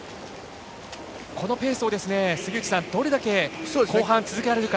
このペースをどれだけ後半続けられるか。